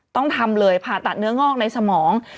ต้องทำเลยผ่าตัดเนื้องอกในสมอง